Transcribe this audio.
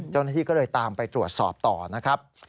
เจ้าหน้าที่ก็เลยตามไปตรวจสอบต่อนะครับ